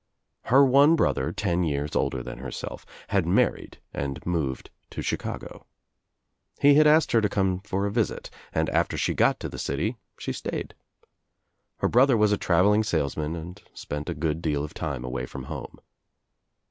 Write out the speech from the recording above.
Her one brother, ten years older than herself, had married and moved to Chicago. He had asked her to come far a visit and after she got to the city she stayed. Her brother was a traveling salesman and spent a good deal of time away from home.